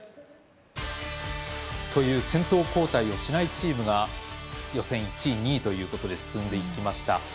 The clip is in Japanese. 先頭交代をしないチームが予選１位、２位ということで進んでいきました。